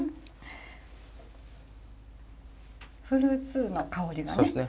フルーツの香りがね。